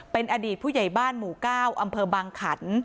เป็นอดีตผู้ใหญ่บ้านหมู่๙อำเภอบางขัน